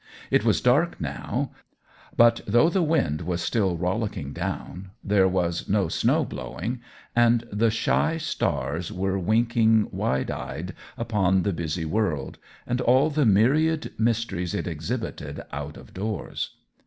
It was dark, now; but though the wind was still rollicking down there was no snow blowing, and the shy stars were winking wide eyed upon the busy world and all the myriad mysteries it exhibited out of doors.